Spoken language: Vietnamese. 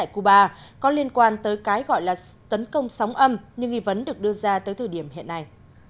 cuba có liên quan tới cái gọi là tấn công sóng âm nhưng nghi vấn được đưa ra tới thời điểm hiện nay